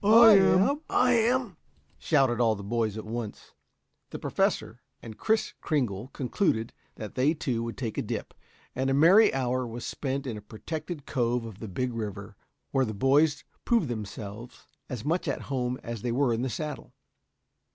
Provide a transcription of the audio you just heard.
"I am," shouted all the boys at once. The Professor and Kris Kringle concluded that they, too, would take a dip, and a merry hour was spent in a protected cove of the big river, where the boys proved themselves as much at home as they were in the saddle.